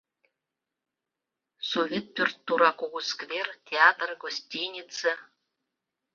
Совет пӧрт тура кугу сквер, театр, гостинице!